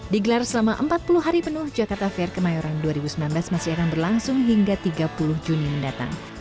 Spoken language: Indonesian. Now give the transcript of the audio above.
digelar selama empat puluh hari penuh jakarta fair kemayoran dua ribu sembilan belas masih akan berlangsung hingga tiga puluh juni mendatang